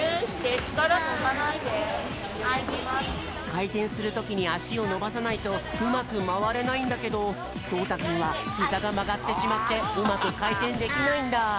かいてんするときにあしをのばさないとうまくまわれないんだけどとうたくんはひざがまがってしまってうまくかいてんできないんだ。